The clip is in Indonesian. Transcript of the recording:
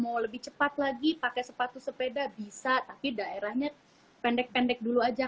mau lebih cepat lagi pakai sepatu sepeda bisa tapi daerahnya pendek pendek dulu aja